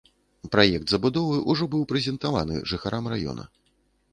Праект забудовы ўжо быў прэзентаваны жыхарам раёна.